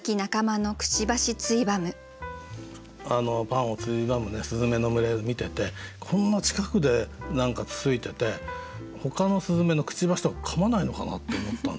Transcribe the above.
パンをついばむスズメの群れ見ててこんな近くで何かつついててほかのスズメのくちばしとかかまないのかなって思った。